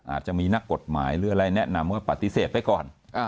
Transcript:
อาจจะมีนักกฎหมายหรืออะไรแนะนำก็ปฏิเสธไปก่อน